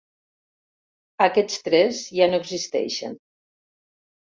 Aquests tres ja no existeixen.